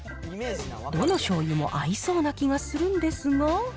どの醤油も合いそうな気がするんですが。